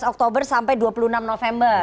tujuh belas oktober sampai dua puluh enam november